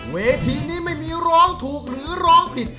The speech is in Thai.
เวทีนี้ไม่มีร้องถูกหรือร้องผิด